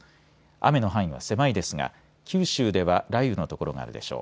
雨の範囲は狭いですが九州では雷雨の所があるでしょう。